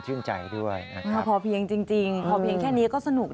เปิดพรุ่งนี้